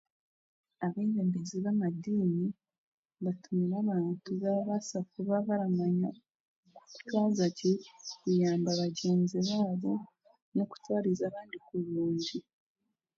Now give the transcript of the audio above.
Ab'ebembezi b'amadiini batumire abantu baabasa kuba baramanya kutwaza gye, kuyamba bagyenzi baabo n'okutwariza abandi kurungi.